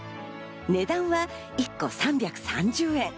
値段は１個３３０円。